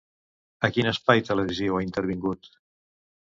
A quin espai televisiu ha intervingut?